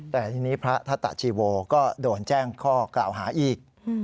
แต่ทีนี้พระทัตตาชีโวก็โดนแจ้งข้อกล่าวหาอีก